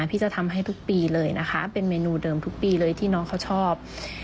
พี่จะทำให้ทุกปีเลยนะคะเป็นเมนูเดิมทุกปีเลยที่น้องเขาชอบ